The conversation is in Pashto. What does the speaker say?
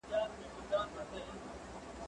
زه اجازه لرم چي نان وخورم،